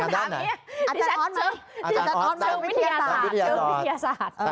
อาจารย์อ้อนเชิงวิทยาศาสตร์